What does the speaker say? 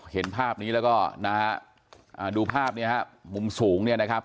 เห็นภาพนี้แล้วก็นะฮะดูภาพเนี่ยฮะมุมสูงเนี่ยนะครับ